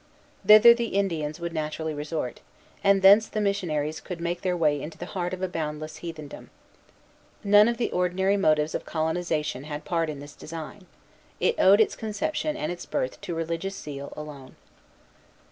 Thither the Indians would naturally resort; and thence the missionaries could make their way into the heart of a boundless heathendom. None of the ordinary motives of colonization had part in this design. It owed its conception and its birth to religious zeal alone.